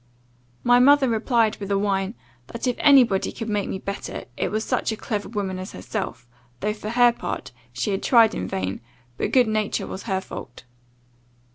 "My mother replied, with a whine, 'that if any body could make me better, it was such a clever woman as herself; though, for her own part, she had tried in vain; but good nature was her fault.